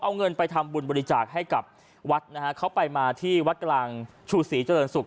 เอาเงินไปทำบุญบริจาคให้กับวัดนะฮะเขาไปมาที่วัดกลางชูศรีเจริญสุข